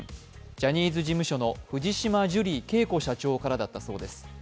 ジャニーズ事務所の藤島ジュリー景子社長からだったそうです。